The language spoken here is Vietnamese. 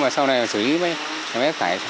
sau này xử lý mới ép thải